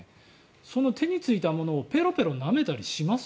その手についたものをペロペロなめたりします？